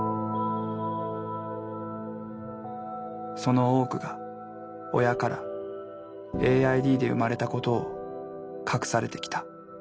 その多くが親からＡＩＤで生まれたことを隠されてきた。